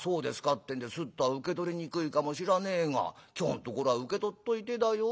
ってんでスッとは受け取りにくいかもしらねえが今日のところは受け取っといてだよ